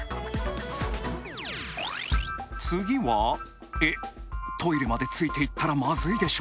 次はえトイレまでついていったらまずいでしょ。